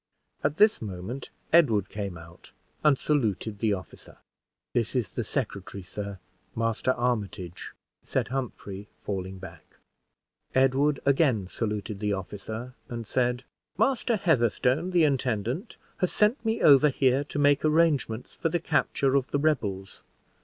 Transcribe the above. At this moment, Edward came out and saluted the officer. "This is the secretary, sir, Master Armitage," said Humphrey, falling back. Edward again saluted the officer, and said "Master Heatherstone, the intendant, has sent me over here to make arrangements for the capture of the rebels.